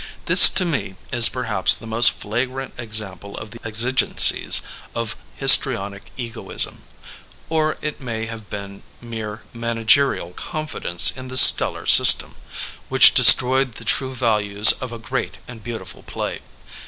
This to me is perhaps the most flagrant example of the exigencies of histrionic egoism (or it may have been mere managerial confidence in the stellar system) which destroyed the true values of a great and beautiful play.